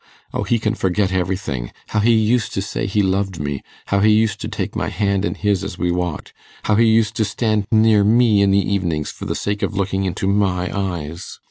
O, he can forget everything: how he used to say he loved me how he used to take my hand in his as we walked how he used to stand near me in the evenings for the sake of looking into my eyes.